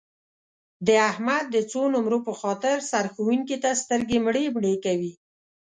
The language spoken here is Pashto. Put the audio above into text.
د احمد د څو نمرو په خاطر سرښوونکي ته سترګې مړې مړې کوي.